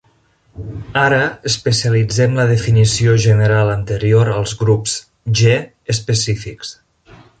Ara especialitzem la definició general anterior als grups "G" específics.